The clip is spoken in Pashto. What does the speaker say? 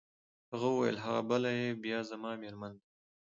هغه وویل: هغه بله يې بیا زما مېرمن ده.